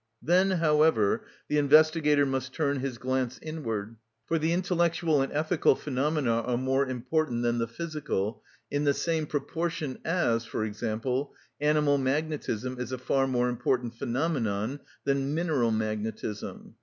Then, however, the investigator must turn his glance inward; for the intellectual and ethical phenomena are more important than the physical, in the same proportion as, for example, animal magnetism is a far more important phenomenon than mineral magnetism.